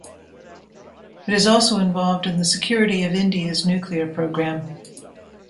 It is also involved in the security of India's nuclear programme.